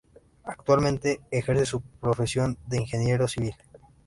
Actualmente ejerce su profesión de ingeniero civil.